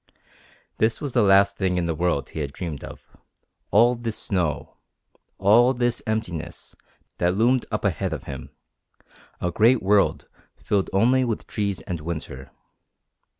This was the last thing in the world he had dreamed of, all this snow, all this emptiness that loomed up ahead of him, a great world filled only with trees and winter.